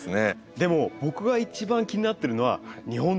でも僕が一番気になってるのは日本大賞です。